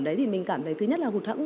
đấy thì mình cảm thấy thứ nhất là hụt hẫng